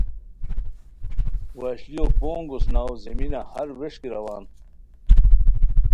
وشلیو پونگ اوسناؤ زمینہ ہر ووݰکی روان